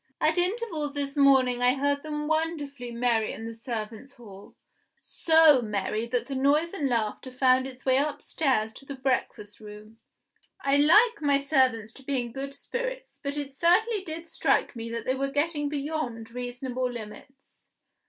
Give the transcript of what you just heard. At intervals this morning I heard them wonderfully merry in the servants hall so merry that the noise and laughter found its way upstairs to the breakfast room. I like my servants to be in good spirits; but it certainly did strike me that they were getting beyond reasonable limits.